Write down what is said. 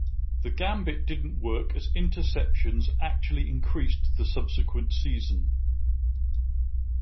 The gambit didn't work as interceptions actually increased the subsequent season.